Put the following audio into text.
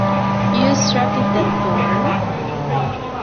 You extracted the thorn?